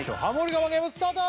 我慢ゲームスタート！